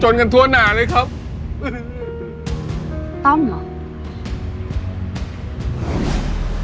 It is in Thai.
กันทั่วหนาเลยครับต้อมเหรอ